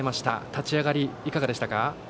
立ち上がり、いかがでしたか？